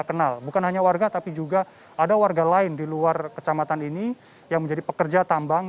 kenal bukan hanya warga tapi juga ada warga lain di luar kecamatan ini yang menjadi pekerja tambang